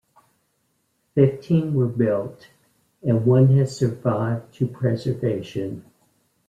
Fifteen were built, and one has survived to preservation.